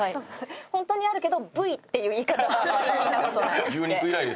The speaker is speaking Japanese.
ホントにあるけど部位っていう言い方はあんまり聞いた事ない。